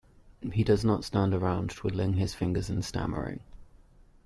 He does not stand around, twiddling his fingers and stammering.